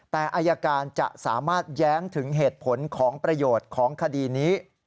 แต่อายการจะสามารถแย้งถึงเหตุผลของประโยชน์ของคดีนี้